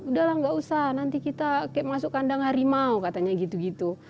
udahlah nggak usah nanti kita masuk kandang harimau katanya gitu gitu